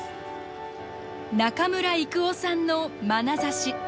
中村征夫さんのまなざし。